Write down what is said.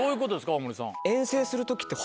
大森さん。